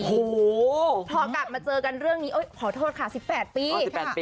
โอ้โหพอกลับมาเจอกันเรื่องนี้ขอโทษค่ะ๑๘ปี